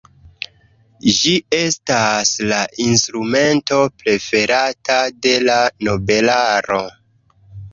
Ĝi estas la instrumento preferata de la nobelaro.